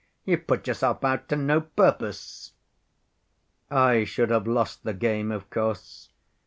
You've put yourself out to no purpose.' "I should have lost the game, of course.